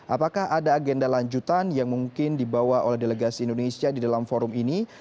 apakah ada agenda lanjutan yang mungkin dibawa oleh delegasi indonesia di dalam forum ini